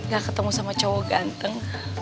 gak ketemu sama cowok ganteng